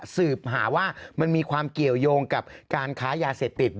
สืบหาว่ามันมีความเกี่ยวยงกับการค้ายาเสพติด